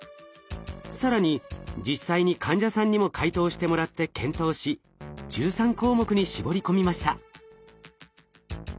更に実際に患者さんにも回答してもらって検討し１３項目に絞り込みました。